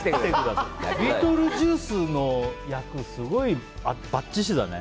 ビートルジュースの役ばっちしだね。